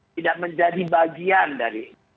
tidak menjadi bagian dari